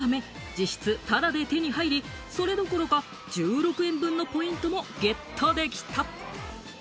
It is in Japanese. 一本８４円だったため、実質タダで手に入り、それどころか１６円分のポイントもゲットできた！